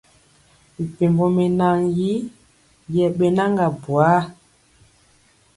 Mɛpembɔ mɛnan yi yɛbɛnaga buar.